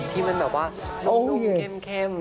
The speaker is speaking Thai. ที่มันแบบว่านุ่มเข้ม